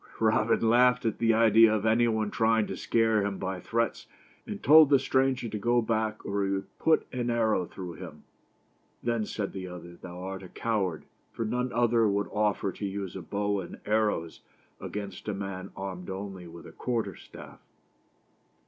Robin laughed at the idea of any one trying to scare him by threats, and told the stranger to go back or he would put an arrow through him. " Then," said the other, " thou art a coward, for none other would offer to use a bow and arrows against a man armed only with a quarter staff."